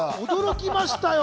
驚きましたよ。